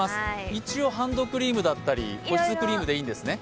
一応、ハンドクリームだったり保湿クリームでいいのね？